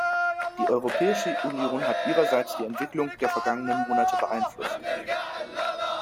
Die Europäische Union hat ihrerseits die Entwicklung der vergangenen Monate beeinflusst.